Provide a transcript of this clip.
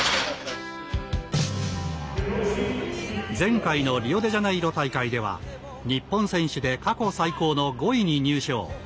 前回のリオデジャネイロ大会では日本選手で過去最高の５位に入賞。